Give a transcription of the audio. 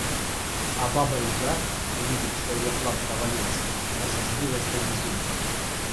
А баба-яга, увидев, что ее план провалился, разозлилась до безумия.